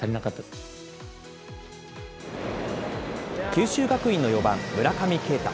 九州学院の４番、村上慶太。